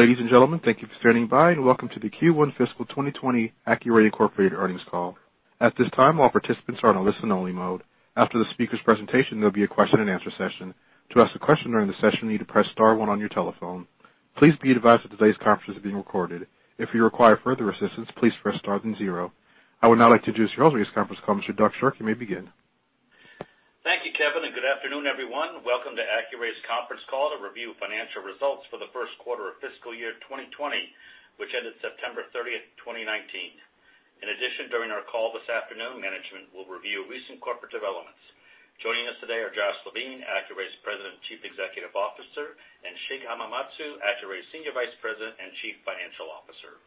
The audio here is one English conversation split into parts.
Ladies and gentlemen, thank you for standing by and welcome to the Q1 fiscal 2020 Accuray Incorporated earnings call. At this time, all participants are in a listen-only mode. After the speaker's presentation, there will be a question and answer session. To ask a question during the session, you need to press star 1 on your telephone. Please be advised that today's conference is being recorded. If you require further assistance, please press star then 0. I would now like to introduce your host of this conference call, Mr. Doug Sherk. You may begin. Thank you, Kevin. Good afternoon, everyone. Welcome to Accuray's conference call to review financial results for the first quarter of fiscal year 2020, which ended September 30th, 2019. During our call this afternoon, management will review recent corporate developments. Joining us today are Josh Levine, Accuray's President and Chief Executive Officer, and Shig Hamamatsu, Accuray's Senior Vice President and Chief Financial Officer.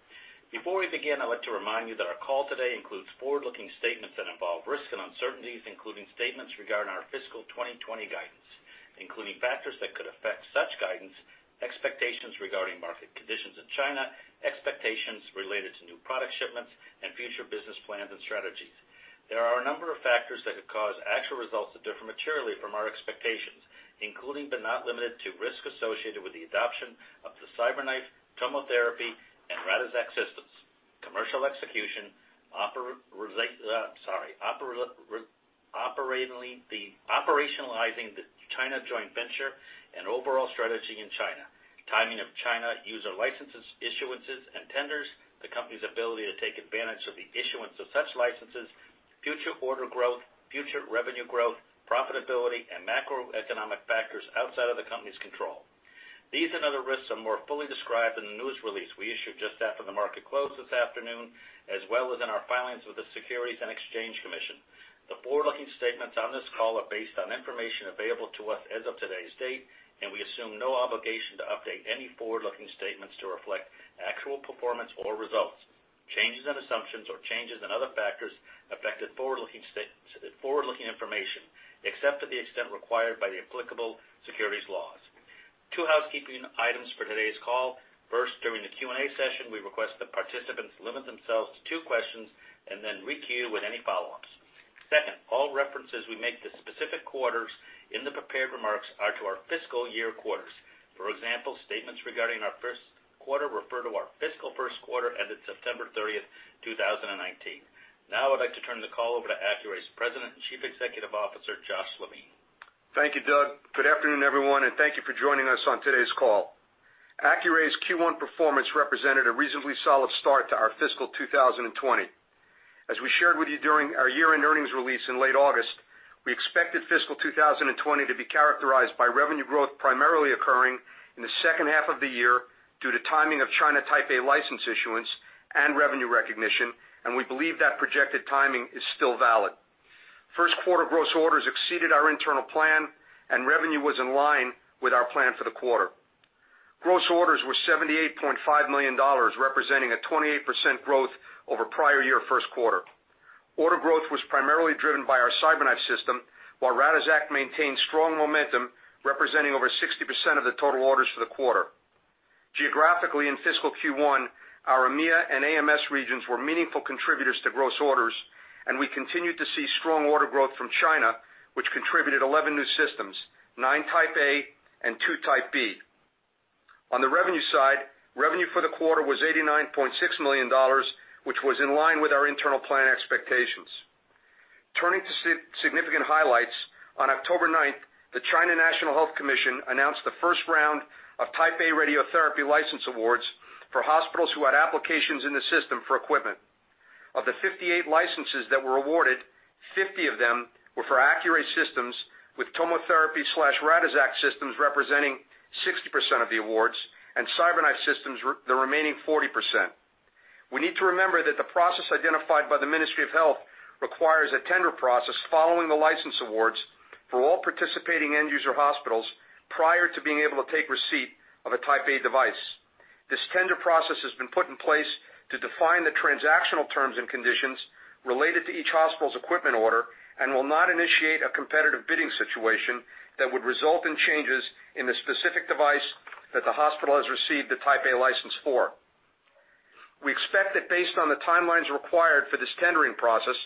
Before we begin, I'd like to remind you that our call today includes forward-looking statements that involve risks and uncertainties, including statements regarding our fiscal 2020 guidance, including factors that could affect such guidance, expectations regarding market conditions in China, expectations related to new product shipments, and future business plans and strategies. There are a number of factors that could cause actual results to differ materially from our expectations, including, but not limited to, risk associated with the adoption of the CyberKnife, TomoTherapy, and Radixact systems, commercial execution, operationalizing the China joint venture and overall strategy in China, timing of China user licenses issuances and tenders, the company's ability to take advantage of the issuance of such licenses, future order growth, future revenue growth, profitability, and macroeconomic factors outside of the company's control. These and other risks are more fully described in the news release we issued just after the market closed this afternoon, as well as in our filings with the Securities and Exchange Commission. The forward-looking statements on this call are based on information available to us as of today's date, and we assume no obligation to update any forward-looking statements to reflect actual performance or results. Changes in assumptions or changes in other factors affected forward-looking information, except to the extent required by the applicable securities laws. Two housekeeping items for today's call. First, during the Q&A session, we request that participants limit themselves to two questions and then re-queue with any follow-ups. Second, all references we make to specific quarters in the prepared remarks are to our fiscal year quarters. For example, statements regarding our first quarter refer to our fiscal first quarter ended September 30th, 2019. Now I'd like to turn the call over to Accuray's President and Chief Executive Officer, Josh Levine. Thank you, Doug. Good afternoon, everyone, and thank you for joining us on today's call. Accuray's Q1 performance represented a reasonably solid start to our fiscal 2020. As we shared with you during our year-end earnings release in late August, we expected fiscal 2020 to be characterized by revenue growth primarily occurring in the second half of the year due to timing of China Type A license issuance and revenue recognition. We believe that projected timing is still valid. First quarter gross orders exceeded our internal plan. Revenue was in line with our plan for the quarter. Gross orders were $78.5 million, representing a 28% growth over prior year first quarter. Order growth was primarily driven by our CyberKnife system, while Radixact maintained strong momentum, representing over 60% of the total orders for the quarter. Geographically, in fiscal Q1, our EMEA and AMS regions were meaningful contributors to gross orders, and we continued to see strong order growth from China, which contributed 11 new systems, 9 Type A and 2 Type B. On the revenue side, revenue for the quarter was $89.6 million, which was in line with our internal plan expectations. Turning to significant highlights, on October 9th, the National Health Commission announced the first round of Type A radiotherapy license awards for hospitals who had applications in the system for equipment. Of the 58 licenses that were awarded, 50 of them were for Accuray systems, with TomoTherapy/Radixact systems representing 60% of the awards and CyberKnife systems the remaining 40%. We need to remember that the process identified by the Ministry of Health requires a tender process following the license awards for all participating end user hospitals prior to being able to take receipt of a Type A device. This tender process has been put in place to define the transactional terms and conditions related to each hospital's equipment order and will not initiate a competitive bidding situation that would result in changes in the specific device that the hospital has received the Type A license for. We expect that based on the timelines required for this tendering process,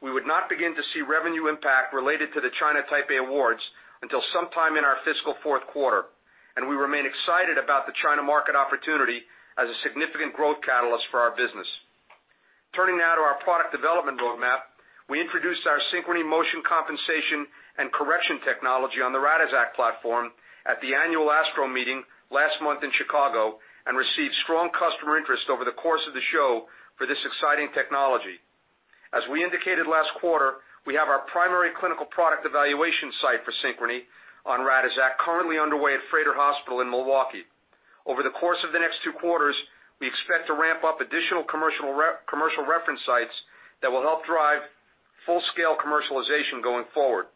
we would not begin to see revenue impact related to the China Type A awards until sometime in our fiscal fourth quarter, and we remain excited about the China market opportunity as a significant growth catalyst for our business. Turning now to our product development roadmap. We introduced our Synchrony motion compensation and correction technology on the Radixact platform at the annual ASTRO Meeting last month in Chicago and received strong customer interest over the course of the show for this exciting technology. As we indicated last quarter, we have our primary clinical product evaluation site for Synchrony on Radixact currently underway at Froedtert Hospital in Milwaukee. Over the course of the next two quarters, we expect to ramp up additional commercial reference sites that will help drive full-scale commercialization going forward.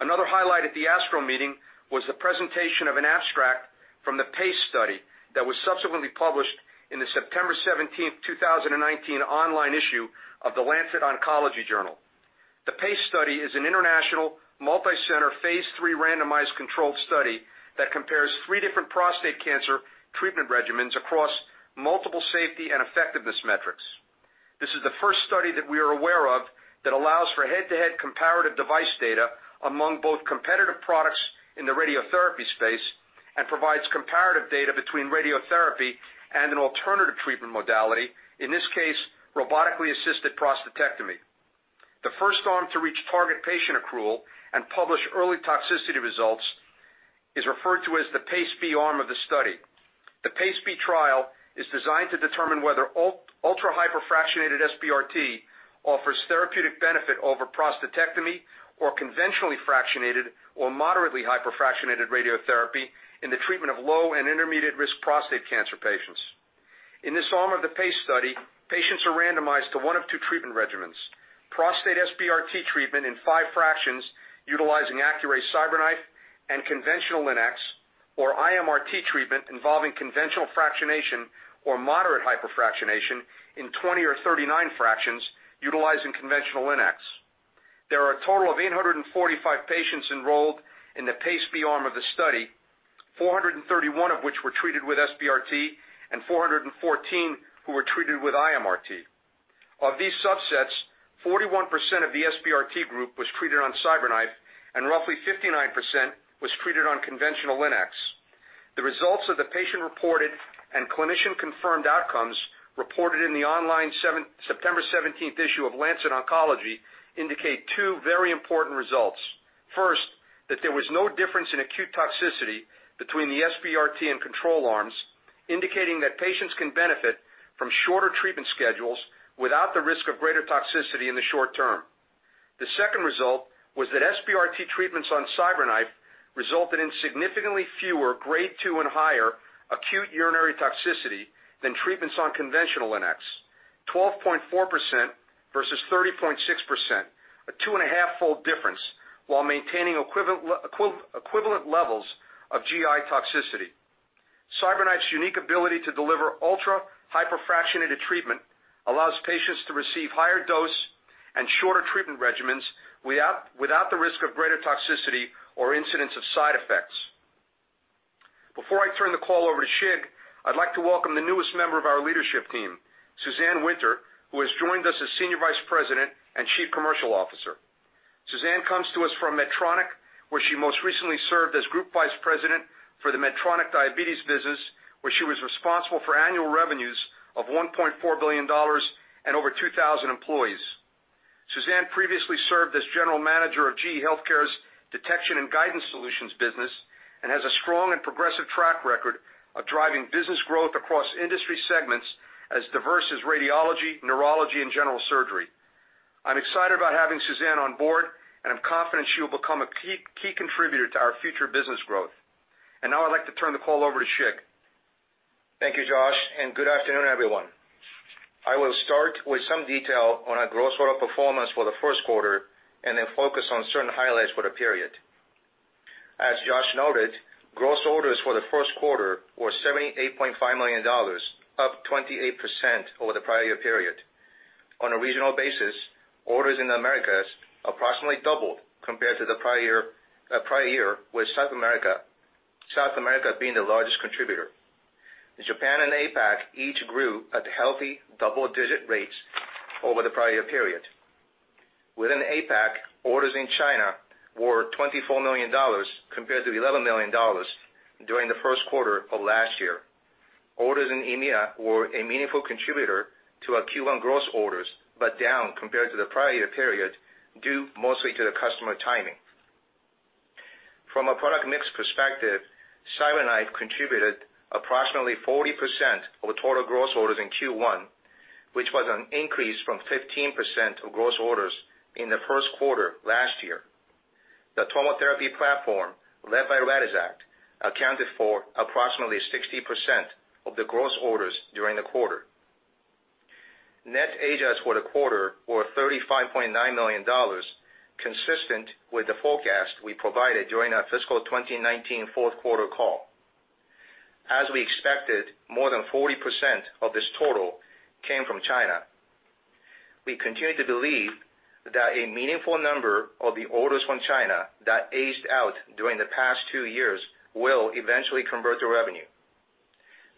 Another highlight at the ASTRO Meeting was the presentation of an abstract from the PACE study that was subsequently published in the September 17th, 2019, online issue of The Lancet Oncology journal. The PACE study is an international, multi-center, phase III randomized controlled study that compares three different prostate cancer treatment regimens across multiple safety and effectiveness metrics. This is the first study that we are aware of that allows for head-to-head comparative device data among both competitive products in the radiotherapy space and provides comparative data between radiotherapy and an alternative treatment modality, in this case, robotically assisted prostatectomy. The first arm to reach target patient accrual and publish early toxicity results is referred to as the PACE-B arm of the study. The PACE-B trial is designed to determine whether ultra-hyperfractionated SBRT offers therapeutic benefit over prostatectomy or conventionally fractionated or moderately hyperfractionated radiotherapy in the treatment of low and intermediate-risk prostate cancer patients. In this arm of the PACE study, patients are randomized to one of two treatment regimens, prostate SBRT treatment in five fractions utilizing Accuray CyberKnife and conventional linacs, or IMRT treatment involving conventional fractionation or moderate hyperfractionation in 20 or 39 fractions utilizing conventional linacs. There are a total of 845 patients enrolled in the PACE-B arm of the study, 431 of which were treated with SBRT and 414 who were treated with IMRT. Of these subsets, 41% of the SBRT group was treated on CyberKnife, and roughly 59% was treated on conventional linacs. The results of the patient-reported and clinician-confirmed outcomes reported in the online September 17th issue of "The Lancet Oncology" indicate two very important results. First, that there was no difference in acute toxicity between the SBRT and control arms, indicating that patients can benefit from shorter treatment schedules without the risk of greater toxicity in the short term. The second result was that SBRT treatments on CyberKnife resulted in significantly fewer grade 2 and higher acute urinary toxicity than treatments on conventional linacs, 12.4% versus 30.6%, a two and a half-fold difference, while maintaining equivalent levels of GI toxicity. CyberKnife's unique ability to deliver ultra-hyperfractionated treatment allows patients to receive higher dose and shorter treatment regimens without the risk of greater toxicity or incidence of side effects. Before I turn the call over to Shig, I'd like to welcome the newest member of our leadership team, Suzanne Winter, who has joined us as Senior Vice President and Chief Commercial Officer. Suzanne comes to us from Medtronic, where she most recently served as group vice president for the Medtronic diabetes business, where she was responsible for annual revenues of $1.4 billion and over 2,000 employees. Suzanne previously served as general manager of GE Healthcare's Detection and Guidance Solutions business and has a strong and progressive track record of driving business growth across industry segments as diverse as radiology, neurology, and general surgery. I'm excited about having Suzanne on board, and I'm confident she will become a key contributor to our future business growth. Now I'd like to turn the call over to Shig. Thank you, Josh. Good afternoon, everyone. I will start with some detail on our gross order performance for the first quarter. Then focus on certain highlights for the period. As Josh noted, gross orders for the first quarter were $78.5 million, up 28% over the prior year period. On a regional basis, orders in the Americas approximately doubled compared to the prior year, with South America being the largest contributor. In Japan and APAC, each grew at healthy double-digit rates over the prior year period. Within APAC, orders in China were $24 million compared to $11 million during the first quarter of last year. Orders in EMEA were a meaningful contributor to our Q1 gross orders. Down compared to the prior year period, due mostly to the customer timing. From a product mix perspective, CyberKnife contributed approximately 40% of the total gross orders in Q1, which was an increase from 15% of gross orders in the first quarter last year. The TomoTherapy platform, led by Radixact, accounted for approximately 60% of the gross orders during the quarter. Net AJAs for the quarter were $35.9 million, consistent with the forecast we provided during our fiscal 2019 fourth quarter call. As we expected, more than 40% of this total came from China. We continue to believe that a meaningful number of the orders from China that aged out during the past two years will eventually convert to revenue.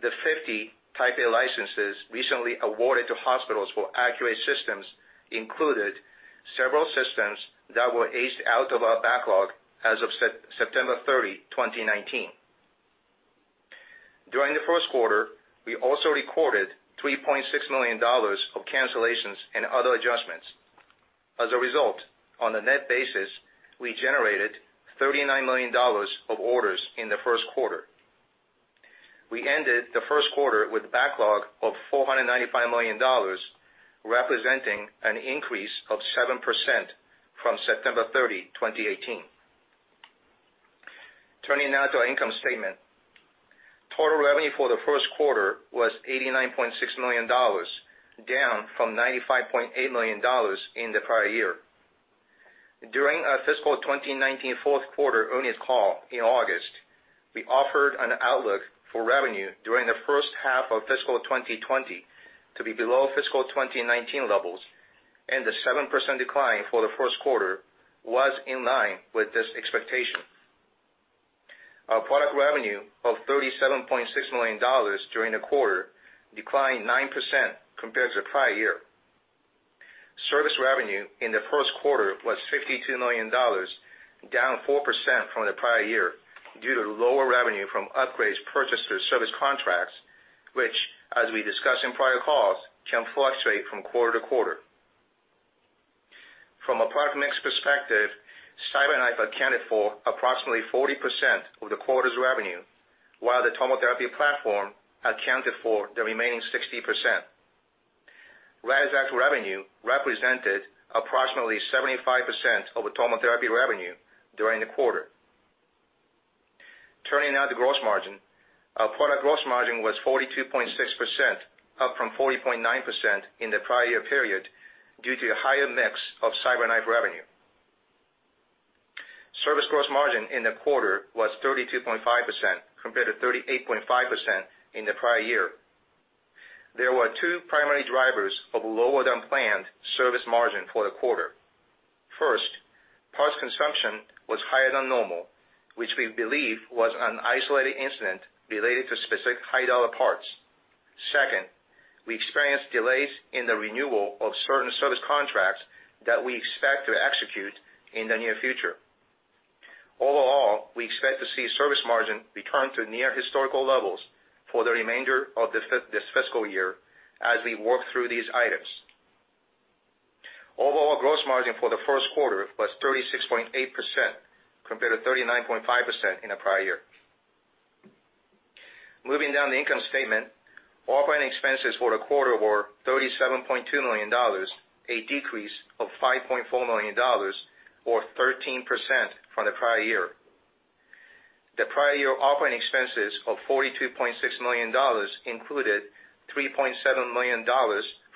The 50 Type A licenses recently awarded to hospitals for Accuray systems included several systems that were aged out of our backlog as of September 30, 2019. During the first quarter, we also recorded $3.6 million of cancellations and other adjustments. As a result, on a net basis, we generated $39 million of orders in the first quarter. We ended the first quarter with a backlog of $495 million, representing an increase of 7% from September 30, 2018. Turning now to our income statement. Total revenue for the first quarter was $89.6 million, down from $95.8 million in the prior year. During our fiscal 2019 fourth quarter earnings call in August, we offered an outlook for revenue during the first half of fiscal 2020 to be below fiscal 2019 levels, and the 7% decline for the first quarter was in line with this expectation. Our product revenue of $37.6 million during the quarter declined 9% compared to the prior year. Service revenue in the first quarter was $52 million, down 4% from the prior year due to lower revenue from upgrades purchased through service contracts, which as we discussed in prior calls, can fluctuate from quarter to quarter. From a product mix perspective, CyberKnife accounted for approximately 40% of the quarter's revenue, while the TomoTherapy platform accounted for the remaining 60%. Radixact revenue represented approximately 75% of the TomoTherapy revenue during the quarter. Turning now to gross margin. Our product gross margin was 42.6%, up from 40.9% in the prior year period due to a higher mix of CyberKnife revenue. Service gross margin in the quarter was 32.5% compared to 38.5% in the prior year. There were two primary drivers of lower-than-planned service margin for the quarter. First, parts consumption was higher than normal, which we believe was an isolated incident related to specific high-dollar parts. Second, we experienced delays in the renewal of certain service contracts that we expect to execute in the near future. Overall, we expect to see service margin return to near historical levels for the remainder of this fiscal year as we work through these items. Overall gross margin for the first quarter was 36.8% compared to 39.5% in the prior year. Moving down the income statement, operating expenses for the quarter were $37.2 million, a decrease of $5.4 million, or 13% from the prior year. The prior year operating expenses of $42.6 million included $3.7 million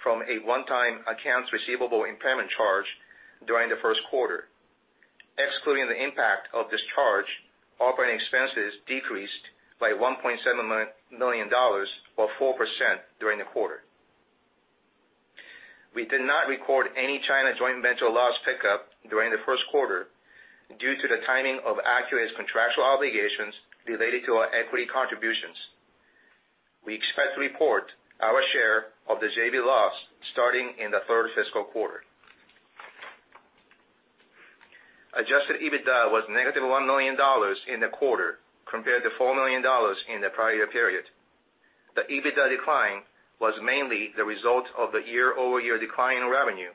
from a one-time accounts receivable impairment charge during the first quarter. Excluding the impact of this charge, operating expenses decreased by $1.7 million, or 4% during the quarter. We did not record any China joint venture loss pickup during the first quarter due to the timing of Accuray's contractual obligations related to our equity contributions. We expect to report our share of the JV loss starting in the third fiscal quarter. Adjusted EBITDA was negative $1 million in the quarter, compared to $4 million in the prior year period. The EBITDA decline was mainly the result of the year-over-year decline in revenue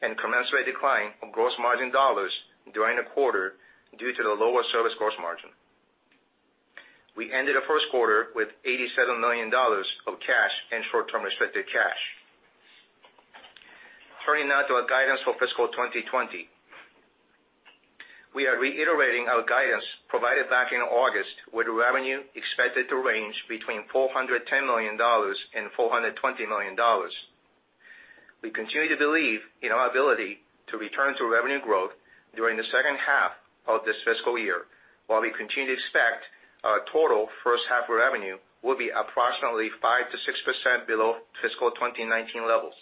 and commensurate decline of gross margin dollars during the quarter due to the lower service gross margin. We ended the first quarter with $87 million of cash and short-term restricted cash. Turning now to our guidance for fiscal 2020. We are reiterating our guidance provided back in August, with revenue expected to range between $410 million and $420 million. We continue to believe in our ability to return to revenue growth during the second half of this fiscal year. While we continue to expect our total first half revenue will be approximately 5%-6% below fiscal 2019 levels.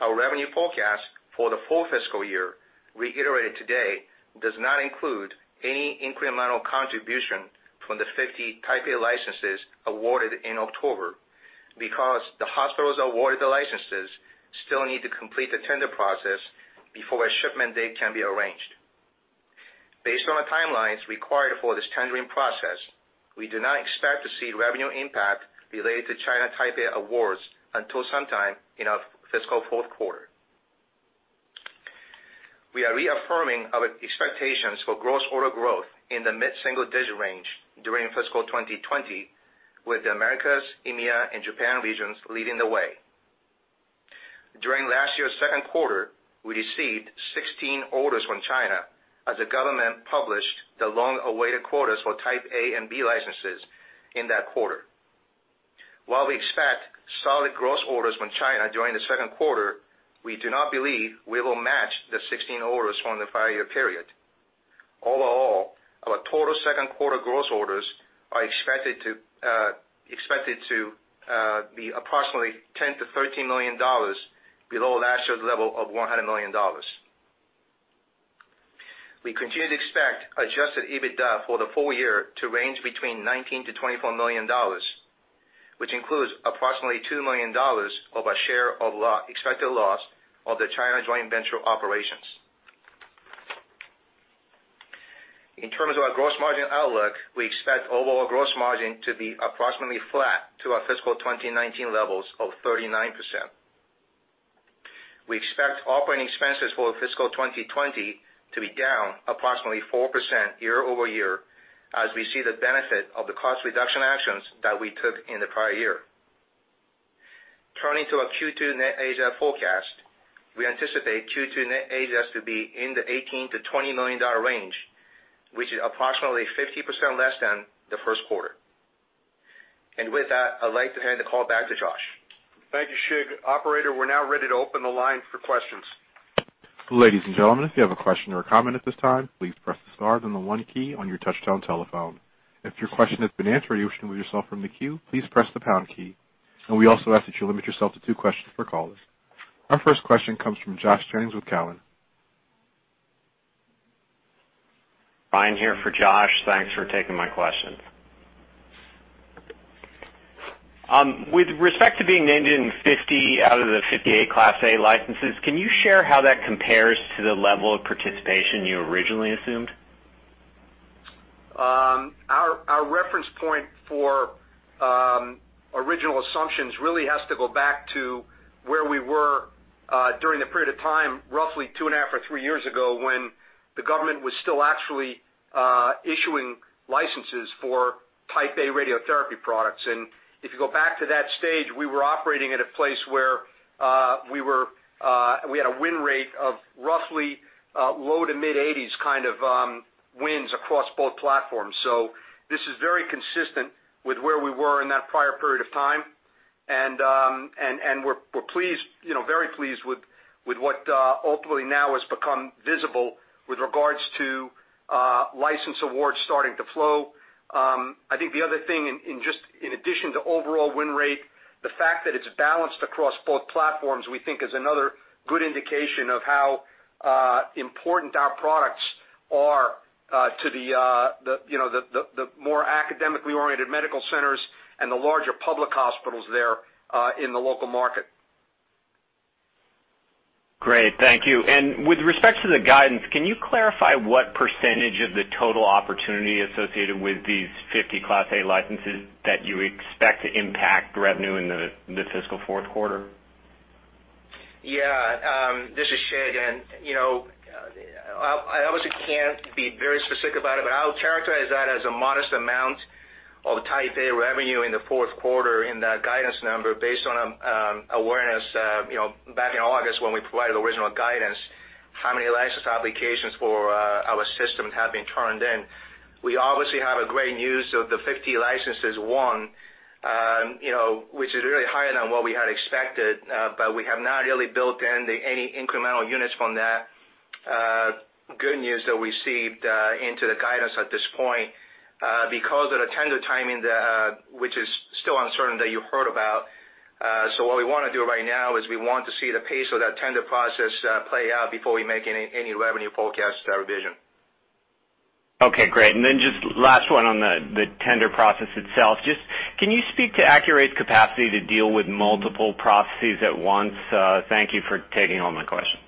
Our revenue forecast for the full fiscal year reiterated today does not include any incremental contribution from the 50 Type A licenses awarded in October because the hospitals awarded the licenses still need to complete the tender process before a shipment date can be arranged. Based on the timelines required for this tendering process, we do not expect to see revenue impact related to China Type A awards until sometime in our fiscal fourth quarter. We are reaffirming our expectations for gross order growth in the mid-single-digit range during fiscal 2020, with the Americas, EMEA, and Japan regions leading the way. During last year's second quarter, we received 16 orders from China as the government published the long-awaited quotas for Type A and B licenses in that quarter. While we expect solid gross orders from China during the second quarter, we do not believe we will match the 16 orders from the prior year period. Overall, our total second quarter gross orders are expected to be approximately $10 million-$13 million below last year's level of $100 million. We continue to expect adjusted EBITDA for the full year to range between $19 million-$24 million, which includes approximately $2 million of our share of expected loss of the China joint venture operations. In terms of our gross margin outlook, we expect overall gross margin to be approximately flat to our fiscal 2019 levels of 39%. We expect operating expenses for fiscal 2020 to be down approximately 4% year-over-year as we see the benefit of the cost reduction actions that we took in the prior year. Turning to our Q2 net orders forecast. We anticipate Q2 net orders to be in the $18 million-$20 million range, which is approximately 50% less than the first quarter. With that, I'd like to hand the call back to Josh. Thank you, Shig. Operator, we're now ready to open the line for questions. Ladies and gentlemen, if you have a question or a comment at this time, please press the star then the one key on your touch-tone telephone. If your question has been answered or you wish to remove yourself from the queue, please press the pound key. We also ask that you limit yourself to two questions per caller. Our first question comes from Josh Jennings with Cowen. Ryan here for Josh. Thanks for taking my question. With respect to being named in 50 out of the 58 Class A licenses, can you share how that compares to the level of participation you originally assumed? Our reference point for original assumptions really has to go back to where we were during the period of time, roughly two and a half or three years ago, when the government was still actually issuing licenses for Type A radiotherapy products. If you go back to that stage, we were operating at a place where we had a win rate of roughly low to mid-80s kind of wins across both platforms. This is very consistent with where we were in that prior period of time. We're very pleased with what ultimately now has become visible with regards to license awards starting to flow. I think the other thing in addition to overall win rate, the fact that it's balanced across both platforms, we think is another good indication of how important our products are to the more academically-oriented medical centers and the larger public hospitals there in the local market. Great, thank you. With respect to the guidance, can you clarify what percentage of the total opportunity associated with these 50 Class A licenses that you expect to impact revenue in the fiscal fourth quarter? Yeah. This is Shig. I obviously can't be very specific about it, but I'll characterize that as a modest amount of the Type A revenue in the fourth quarter in that guidance number based on awareness back in August when we provided original guidance, how many license applications for our system have been turned in. We obviously have a great news of the 50 licenses won which is really higher than what we had expected. We have not really built in any incremental units from that good news that we received into the guidance at this point because of the tender timing which is still uncertain that you heard about. What we want to do right now is we want to see the pace of that tender process play out before we make any revenue forecast revision. Okay, great. Then just last one on the tender process itself. Just can you speak to Accuray's capacity to deal with multiple processes at once? Thank you for taking all my questions.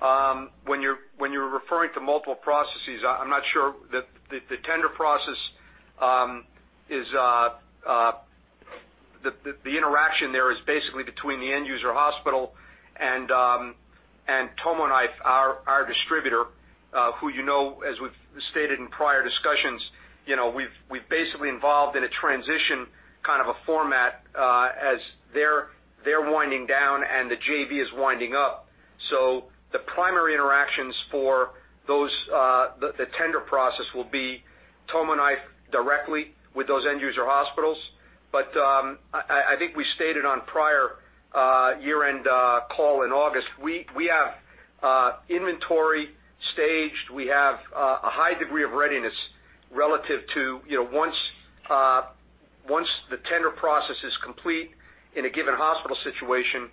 When you're referring to multiple processes, I'm not sure. The tender process, the interaction there is basically between the end user hospital and TomoKnife, our distributor who you know as we've stated in prior discussions, we've basically involved in a transition kind of a format as they're winding down and the JV is winding up. The primary interactions for the tender process will be TomoKnife directly with those end user hospitals. I think we stated on prior year-end call in August, we have inventory staged. We have a high degree of readiness relative to once the tender process is complete in a given hospital situation,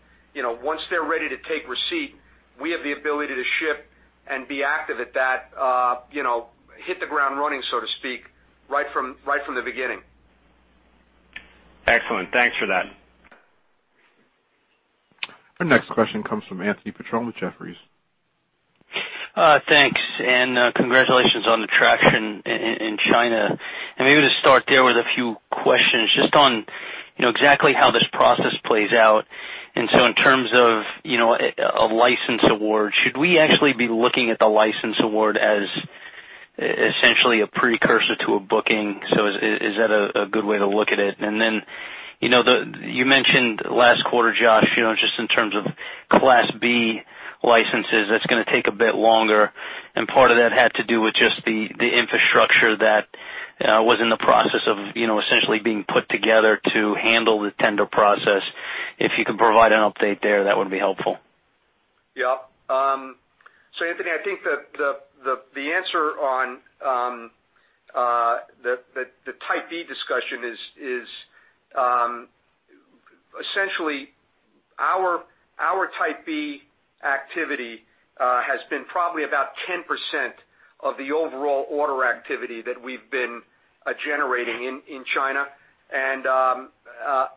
once they're ready to take receipt, we have the ability to ship and be active at that hit the ground running so to speak, right from the beginning. Excellent. Thanks for that. Our next question comes from Anthony Petrone with Jefferies. Thanks, congratulations on the traction in China. Maybe to start there with a few questions just on exactly how this process plays out. In terms of a license award, should we actually be looking at the license award as essentially a precursor to a booking? Is that a good way to look at it? You mentioned last quarter, Josh, just in terms of Class B licenses, that's going to take a bit longer, and part of that had to do with just the infrastructure that was in the process of essentially being put together to handle the tender process. If you could provide an update there, that would be helpful. Yeah. Anthony, I think the answer on the Type B discussion is essentially our Type B activity has been probably about 10% of the overall order activity that we've been generating in China.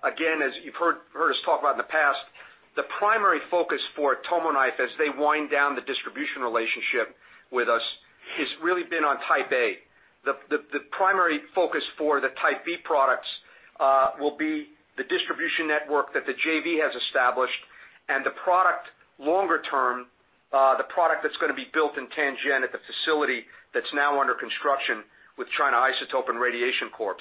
Again, as you've heard us talk about in the past, the primary focus for TomoKnife as they wind down the distribution relationship with us has really been on Type A. The primary focus for the Type B products will be the distribution network that the JV has established and the product longer term, the product that's going to be built in Tianjin at the facility that's now under construction with China Isotope & Radiation Corp.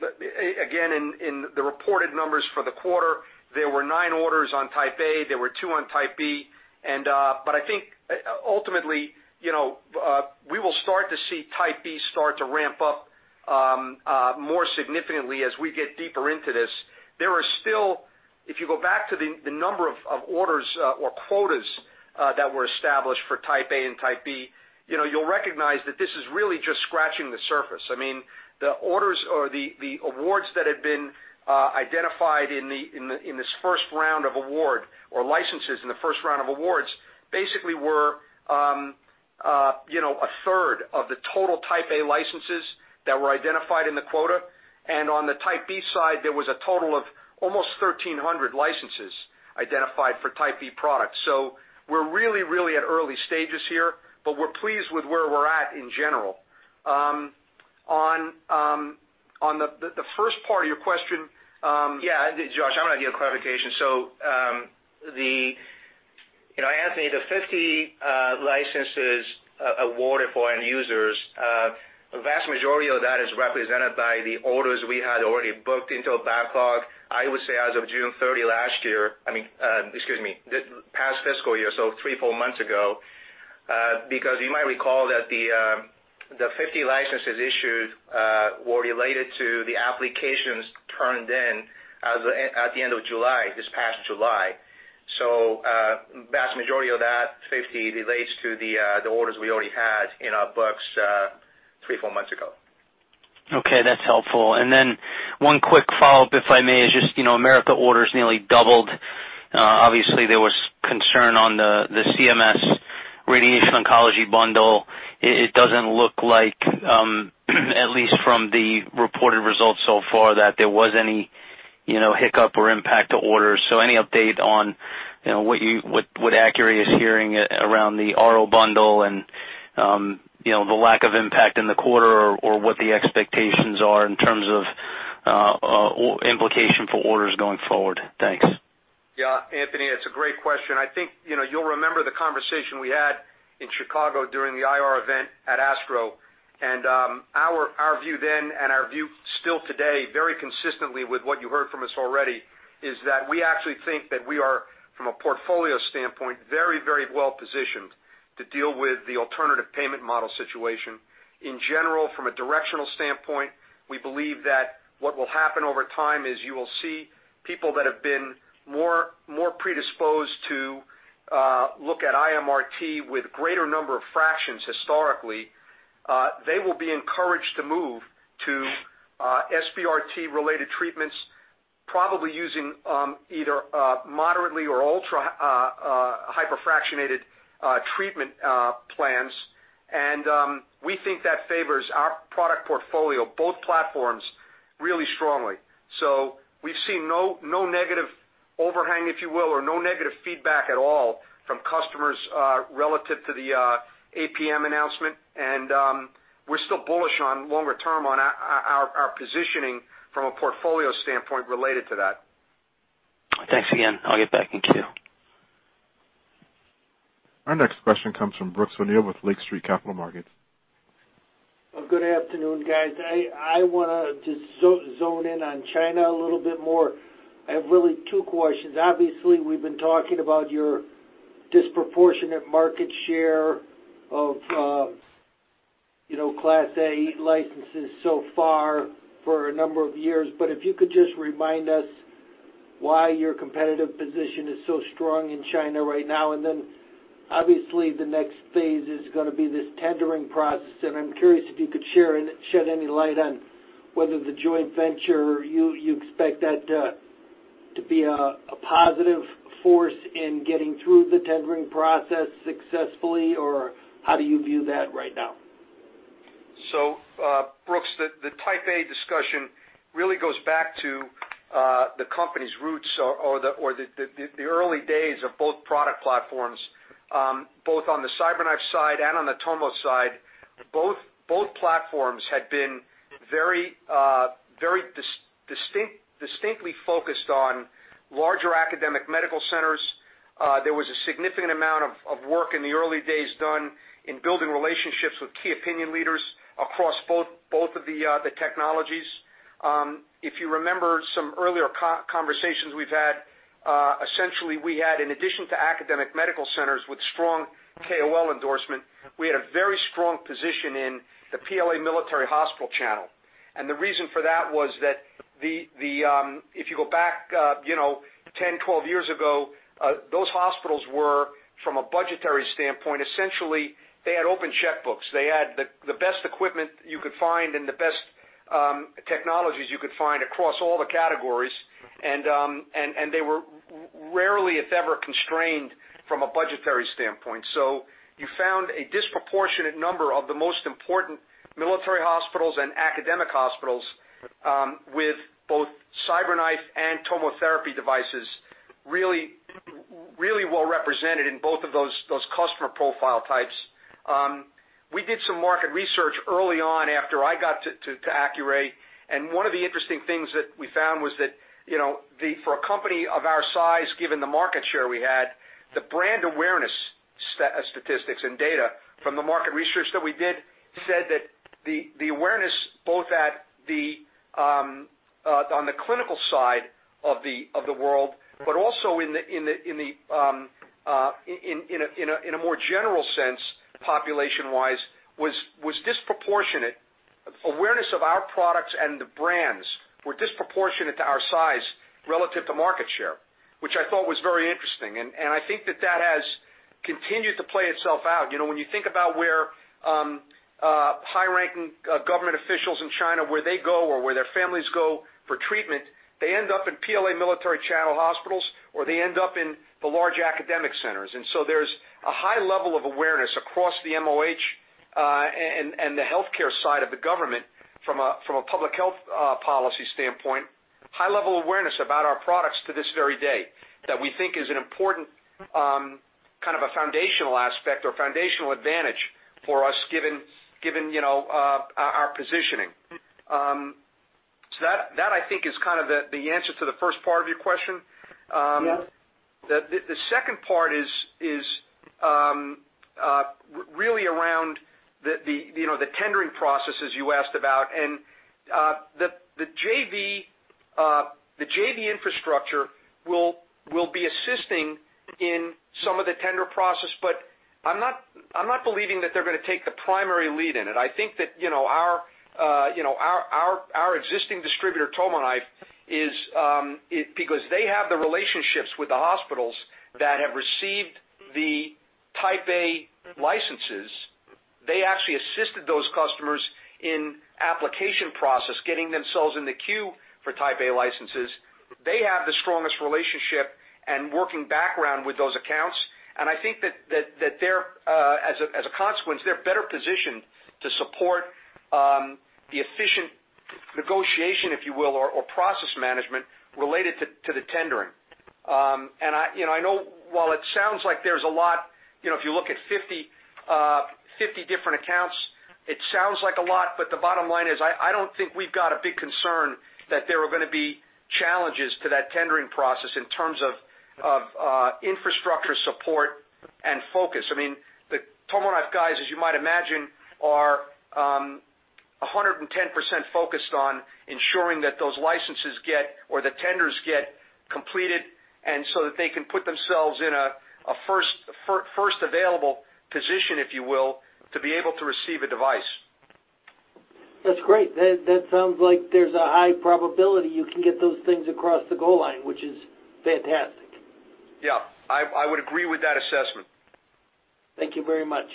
Again, in the reported numbers for the quarter, there were nine orders on Type A, there were two on Type B. I think ultimately, we will start to see Type B start to ramp up more significantly as we get deeper into this. There are still. If you go back to the number of orders or quotas that were established for Type A and Type B, you'll recognize that this is really just scratching the surface. The orders or the awards that had been identified in this first round of award or licenses in the first round of awards, basically were a third of the total Type A licenses that were identified in the quota. On the Type B side, there was a total of almost 1,300 licenses identified for Type B products. We're really at early stages here, but we're pleased with where we're at in general. Yeah, Josh, I'm going to give clarification. Anthony, the 50 licenses awarded for end users, a vast majority of that is represented by the orders we had already booked into a backlog, I would say as of June 30 last year. Excuse me, the past fiscal year, so three, four months ago. You might recall that the 50 licenses issued were related to the applications turned in at the end of July, this past July. Vast majority of that 50 relates to the orders we already had in our books three, four months ago. Okay, that's helpful. Then one quick follow-up, if I may, is just Americas orders nearly doubled. Obviously, there was concern on the CMS radiation oncology bundle. It doesn't look like, at least from the reported results so far, that there was any hiccup or impact to orders. Any update on what Accuray is hearing around the RO bundle and the lack of impact in the quarter or what the expectations are in terms of implication for orders going forward? Thanks. Yeah, Anthony, it's a great question. Our view then and our view still today, very consistently with what you heard from us already, is that we actually think that we are, from a portfolio standpoint, very well positioned to deal with the alternative payment model situation. In general, from a directional standpoint, we believe that what will happen over time is you will see people that have been more predisposed to look at IMRT with greater number of fractions historically. They will be encouraged to move to SBRT-related treatments, probably using either moderately or ultra hyperfractionated treatment plans. We think that favors our product portfolio, both platforms, really strongly. We've seen no negative overhang, if you will, or no negative feedback at all from customers relative to the APM announcement. We're still bullish on longer term on our positioning from a portfolio standpoint related to that. Thanks again. I'll get back in queue. Our next question comes from Brooks O'Neil with Lake Street Capital Markets. Good afternoon, guys. I want to just zone in on China a little bit more. I have really two questions. We've been talking about your disproportionate market share of Class A licenses so far for a number of years. If you could just remind us why your competitive position is so strong in China right now? Obviously, the next phase is going to be this tendering process, and I'm curious if you could shed any light on whether the joint venture, you expect that to be a positive force in getting through the tendering process successfully, or how do you view that right now? Brooks, the Type A discussion really goes back to the company's roots or the early days of both product platforms both on the CyberKnife side and on the Tomo side. Both platforms had been very distinctly focused on larger academic medical centers. There was a significant amount of work in the early days done in building relationships with key opinion leaders across both of the technologies. If you remember some earlier conversations we've had, essentially, we had, in addition to academic medical centers with strong KOL endorsement, we had a very strong position in the PLA military hospital channel. The reason for that was that if you go back 10, 12 years ago, those hospitals were, from a budgetary standpoint, essentially, they had open checkbooks. They had the best equipment you could find and the best technologies you could find across all the categories, and they were rarely, if ever, constrained from a budgetary standpoint. You found a disproportionate number of the most important military hospitals and academic hospitals with both CyberKnife and TomoTherapy devices really well represented in both of those customer profile types. We did some market research early on after I got to Accuray. One of the interesting things that we found was that for a company of our size, given the market share we had, the brand awareness statistics and data from the market research that we did said that the awareness both on the clinical side of the world, but also in a more general sense, population-wise, awareness of our products and the brands were disproportionate to our size relative to market share, which I thought was very interesting. I think that has continued to play itself out. When you think about where high-ranking government officials in China, where they go or where their families go for treatment, they end up in PLA military channel hospitals, or they end up in the large academic centers. There's a high level of awareness across the MOH and the healthcare side of the government from a public health policy standpoint, high level awareness about our products to this very day, that we think is an important kind of a foundational aspect or foundational advantage for us given our positioning. That, I think, is kind of the answer to the first part of your question. Yeah. The second part is really around the tendering processes you asked about. The JV infrastructure will be assisting in some of the tender process, but I'm not believing that they're going to take the primary lead in it. I think that our existing distributor, TomoKnife, because they have the relationships with the hospitals that have received the Type A licenses, they actually assisted those customers in application process, getting themselves in the queue for Type A licenses. They have the strongest relationship and working background with those accounts, and I think that as a consequence, they're better positioned to support the efficient negotiation, if you will, or process management related to the tendering. I know while it sounds like there's a lot, if you look at 50 different accounts, it sounds like a lot, but the bottom line is, I don't think we've got a big concern that there are going to be challenges to that tendering process in terms of infrastructure support and focus. The TomoTherapy guys, as you might imagine, are 110% focused on ensuring that those licenses get, or the tenders get completed so that they can put themselves in a first available position, if you will, to be able to receive a device. That's great. That sounds like there's a high probability you can get those things across the goal line, which is fantastic. Yeah. I would agree with that assessment. Thank you very much.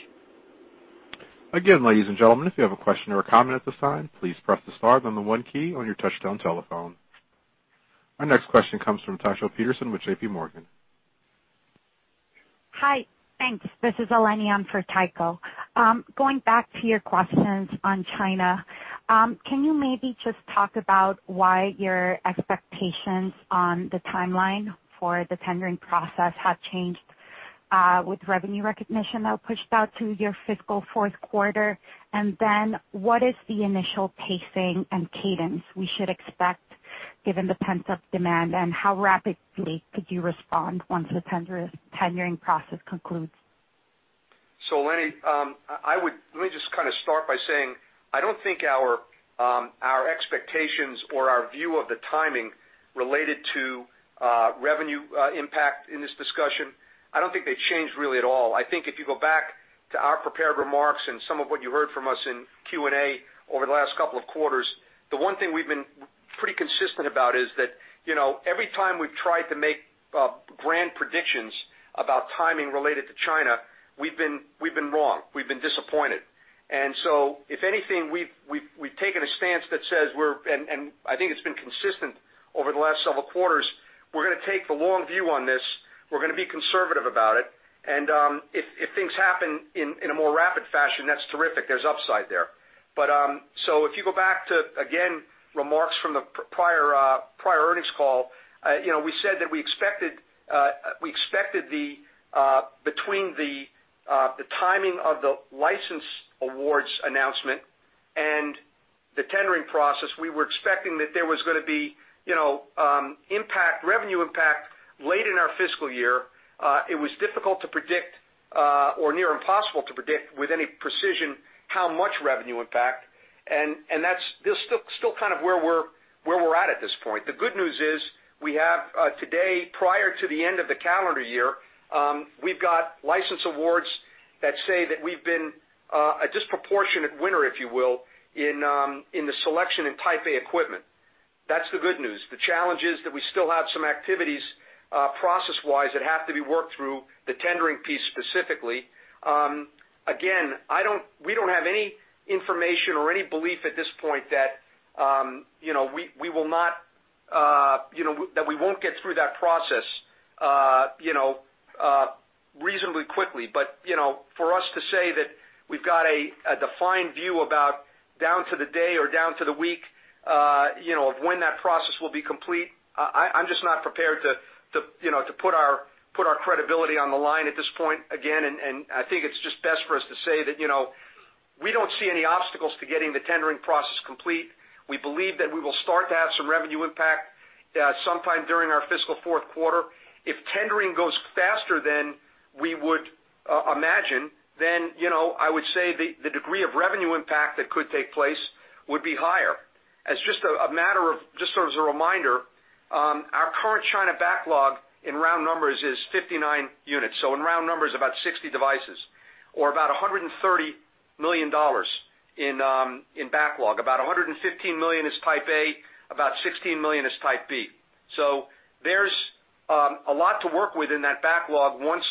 Again, ladies and gentlemen, if you have a question or a comment at this time, please press the star then the one key on your touchtone telephone. Our next question comes from Tycho Peterson with J.P. Morgan. Hi. Thanks. This is Eleni on for Tycho. Going back to your questions on China, can you maybe just talk about why your expectations on the timeline for the tendering process have changed with revenue recognition now pushed out to your fiscal fourth quarter? What is the initial pacing and cadence we should expect given the pent-up demand, and how rapidly could you respond once the tendering process concludes? Eleni, let me just kind of start by saying, I don't think our expectations or our view of the timing related to revenue impact in this discussion, I don't think they changed really at all. I think if you go back to our prepared remarks and some of what you heard from us in Q&A over the last couple of quarters, the one thing we've been pretty consistent about is that every time we've tried to make grand predictions about timing related to China, we've been wrong. We've been disappointed. If anything, we've taken a stance that says I think it's been consistent over the last several quarters. We're going to take the long view on this. We're going to be conservative about it. If things happen in a more rapid fashion, that's terrific. There's upside there. If you go back to, again, remarks from the prior earnings call, we said that we expected between the timing of the license awards announcement and the tendering process, we were expecting that there was going to be revenue impact late in our fiscal year. It was difficult to predict or near impossible to predict with any precision how much revenue impact, and that's still kind of where we're at at this point. The good news is we have today, prior to the end of the calendar year, we've got license awards that say that we've been a disproportionate winner, if you will, in the selection in Type A equipment. That's the good news. The challenge is that we still have some activities process-wise that have to be worked through the tendering piece specifically. Again, we don't have any information or any belief at this point that we won't get through that process reasonably quickly. For us to say that we've got a defined view about down to the day or down to the week of when that process will be complete, I'm just not prepared to put our credibility on the line at this point again, I think it's just best for us to say that we don't see any obstacles to getting the tendering process complete. We believe that we will start to have some revenue impact sometime during our fiscal fourth quarter. If tendering goes faster than we would imagine, I would say the degree of revenue impact that could take place would be higher. Just as a reminder, our current China backlog in round numbers is 59 units, so in round numbers, about 60 devices or about $130 million in backlog. About $115 million is Type A, about $16 million is Type B. There's a lot to work with in that backlog once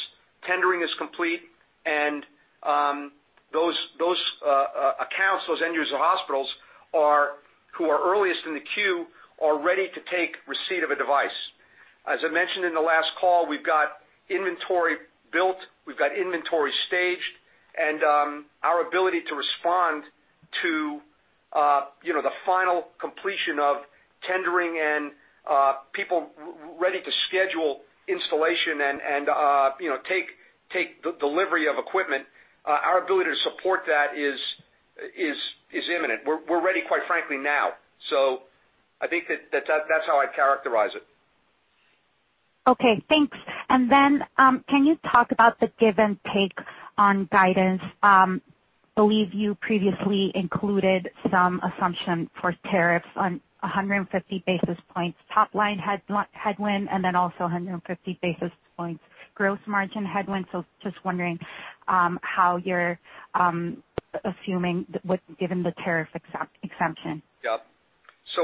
tendering is complete and those accounts, those end user hospitals who are earliest in the queue are ready to take receipt of a device. As I mentioned in the last call, we've got inventory built, we've got inventory staged, and our ability to respond to the final completion of tendering and people ready to schedule installation and take delivery of equipment, our ability to support that is imminent. We're ready, quite frankly, now. I think that's how I'd characterize it. Okay, thanks. Can you talk about the give and take on guidance? I believe you previously included some assumption for tariffs on 150 basis points top line headwind, and then also 150 basis points gross margin headwind. Just wondering how you're assuming, given the tariff exemption. Yep.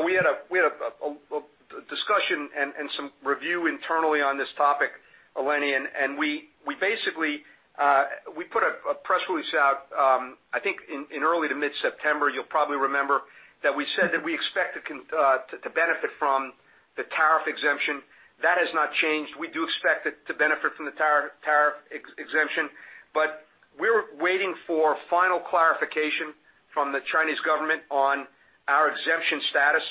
We had a discussion and some review internally on this topic, Eleni, and we put a press release out, I think, in early to mid-September. You'll probably remember that we said that we expect to benefit from the tariff exemption. That has not changed. We do expect it to benefit from the tariff exemption. We're waiting for final clarification from the Chinese government on our exemption status.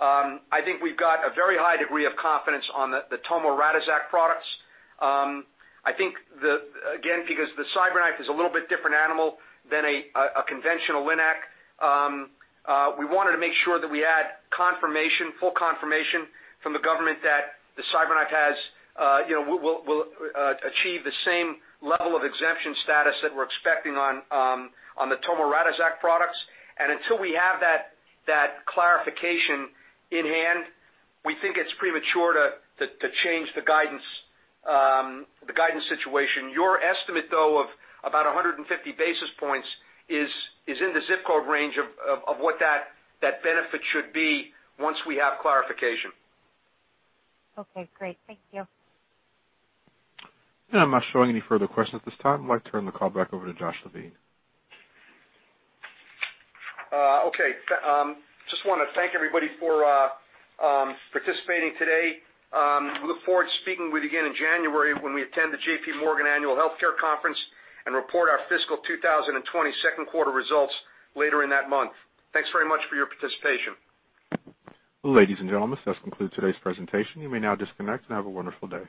I think we've got a very high degree of confidence on the TomoTherapy and Radixact products. I think, again, because the CyberKnife is a little bit different animal than a conventional LINAC, we wanted to make sure that we had full confirmation from the government that the CyberKnife will achieve the same level of exemption status that we're expecting on the TomoTherapy and Radixact products. Until we have that clarification in hand, we think it's premature to change the guidance situation. Your estimate, though, of about 150 basis points is in the zip code range of what that benefit should be once we have clarification. Okay, great. Thank you. I'm not showing any further questions at this time. I'd like to turn the call back over to Joshua Levine. Okay. Just want to thank everybody for participating today. Look forward to speaking with you again in January when we attend the J.P. Morgan Annual Healthcare Conference and report our fiscal 2022nd quarter results later in that month. Thanks very much for your participation. Ladies and gentlemen, this does conclude today's presentation. You may now disconnect and have a wonderful day.